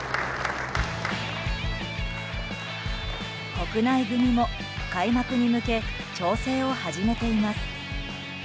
国内組みも開幕に向け調整を始めています。